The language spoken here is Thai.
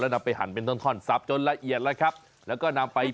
เรานำเสนอไปหมดแล้วทั้งอาหารไทยอาหารเวียดนามอาหารอีสานต่างคราวนี้